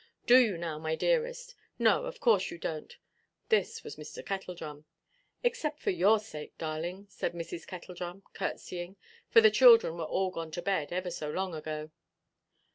Do you now, my dearest? No, of course you donʼt." This was Mr. Kettledrum. "Except for your sake, darling," said Mrs. Kettledrum, curtseying, for the children were all gone to bed ever so long ago.